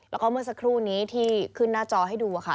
แล้วก็เมื่อสักครู่นี้ที่ขึ้นหน้าจอให้ดูค่ะ